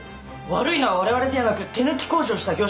悪いのは我々ではなく手抜き工事をした業者です！